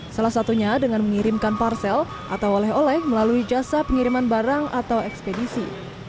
salah satunya dengan mengirimkan parcel atau oleh oleh melalui jasa pengiriman barang atau ekspedisi